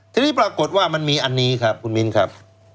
ทีนี้ปรากฏว่ามันมีอันนี้ครับคุณมิ้นครับ